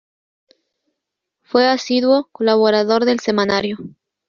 Fue asiduo colaborador del semanario.